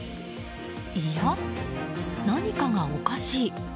いや、何かがおかしい。